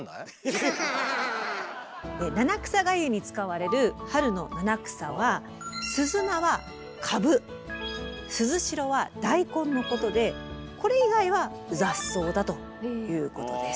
七草がゆに使われる春の七草はすずなはかぶすずしろはだいこんのことでこれ以外は雑草だということです。